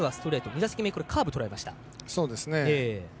２打席目はカーブを捉えました。